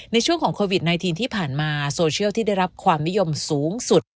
ในช่วงของโควิด๑๙ที่ผ่านมาโซเชียลที่ได้รับความนิยมสูงสุด